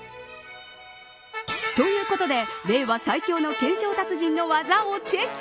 ということで令和最強の懸賞達人の技をチェック。